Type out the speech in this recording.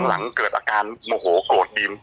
หลังเกิดอาการโมโหโกรธบีม